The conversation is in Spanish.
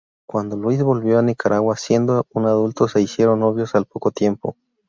Cuando Luís volvió a Nicaragua siendo un adulto se hicieron novios al poco tiempo.